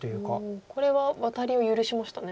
これはワタリを許しましたね。